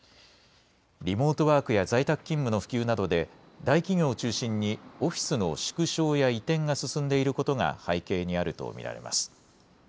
リモートワークや在宅勤務の普及などで、大企業を中心にオフィスの縮小や移転が進んでいることが、背景にあると見られます。